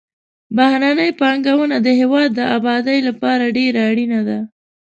بهرنۍ پانګونه د هېواد د آبادۍ لپاره ډېره اړینه ده.